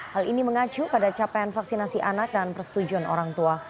hal ini mengacu pada capaian vaksinasi anak dan persetujuan orang tua